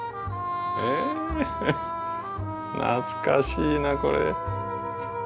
え懐かしいなこれ。